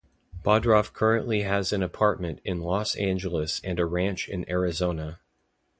Bodrov currently has an apartment in Los Angeles and a ranch in Arizona.